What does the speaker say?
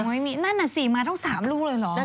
ไม่มีนั่นน่ะสิมาทั้ง๓ลูกเลยเหรอ